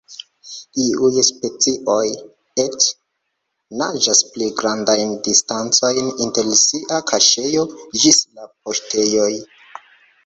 Iuj specioj eĉ naĝas pli grandajn distancojn inter sia kaŝejo ĝis la "paŝtejoj".